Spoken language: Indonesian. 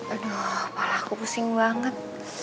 aduh parah aku pusing banget